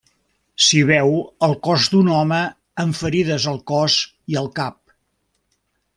S'hi veu el cos d'un home amb ferides al cos i al cap.